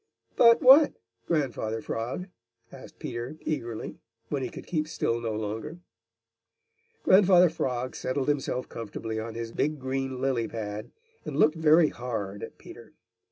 "But what, Grandfather Frog?" asked Peter eagerly, when he could keep still no longer. Grandfather Frog settled himself comfortably on his big green lily pad and looked very hard at Peter.